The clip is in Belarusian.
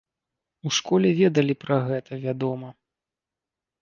У школе ведалі пра гэта, вядома.